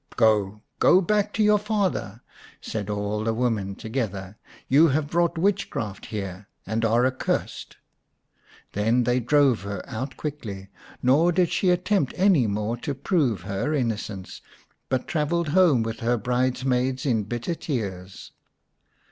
" Go, go back to your father," said all the women together. "You have brought witchcraft here, and are accursed." Then they drove her out quickly, nor did she attempt any more to prove her innocence, but travelled home with her bridesmaids in bitter tears.